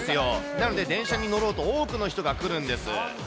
なので、電車に乗ろうと、多くの人が来るんです。